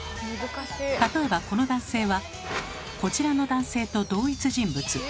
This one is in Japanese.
例えばこの男性はこちらの男性と同一人物。